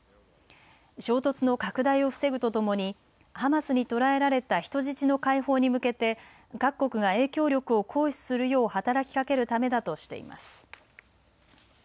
衝突の拡大を防ぐとともにハマスに捕らえられた人質の解放に向けて各国が影響力を行使するよう働きかけるためだとしています。